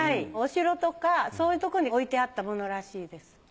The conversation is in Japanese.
お城とかそういうとこに置いてあったものらしいです。